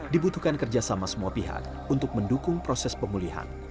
dibutuhkan kerjasama semua pihak untuk mendukung proses pemulihan